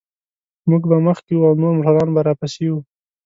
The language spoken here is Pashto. موږ به مخکې وو او نور موټران به راپسې و.